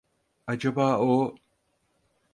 Acaba o…